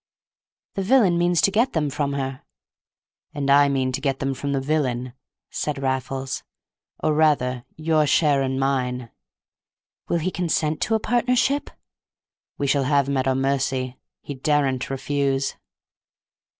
"The villain means to get them from her!" "And I mean to get them from the villain," said Raffles; "or, rather, your share and mine." "Will he consent to a partnership?" "We shall have him at our mercy. He daren't refuse."